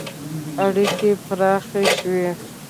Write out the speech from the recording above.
• اړیکې پراخې شوې.